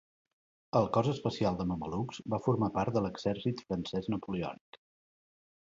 El cos especial de mamelucs va formar part de l'exèrcit francès napoleònic.